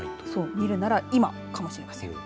見るなら今かもしれません。